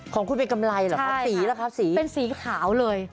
ของคุณเป็นกำไรเหรอครับสีล่ะครับสีเป็นสีขาวเลย